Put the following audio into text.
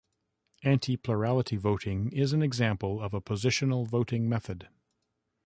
Anti-plurality voting is an example of a positional voting method.